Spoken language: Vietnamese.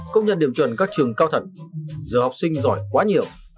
công nhận điểm chuẩn các trường cao thật giờ học sinh giỏi quá nhiều